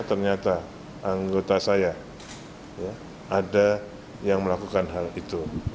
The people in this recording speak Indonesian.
ternyata anggota saya ada yang melakukan hal itu